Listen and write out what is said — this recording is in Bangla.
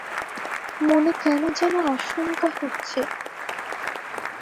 মনে কেন যেন আশংকা হচ্ছে।